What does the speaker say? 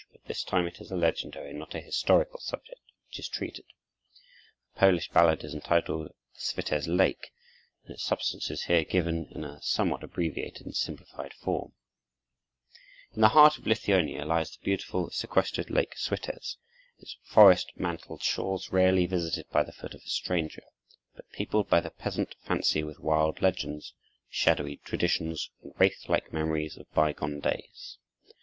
But this time it is a legendary and not a historical subject which is treated. The Polish ballad is entitled "The Switez Lake," and its substance is here given in a somewhat abbreviated and simplified form: In the heart of Lithuania lies the beautiful, sequestered Lake Switez, its forest mantled shores rarely visited by the foot of a stranger, but peopled by the peasant fancy with wild legends, shadowy traditions, and wraith like memories of bygone days.